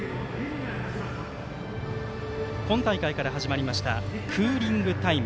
今大会から始まりましたクーリングタイム。